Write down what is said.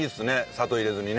砂糖を入れずにね。